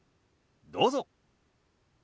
どうぞ。